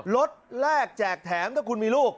รถแรกแจกแถมถ้าคุณมีลูก